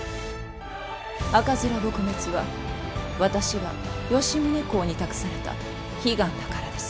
赤面撲滅は私が吉宗公に託された悲願だからです。